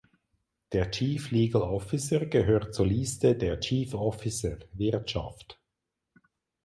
Der Chief Legal Officer gehört zur Liste der Chief Officer (Wirtschaft).